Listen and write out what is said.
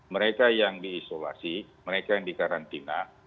mereka yang diisolasi mereka yang dikarantina